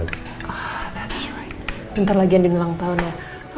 bentar lagi yang dimulang tahunnya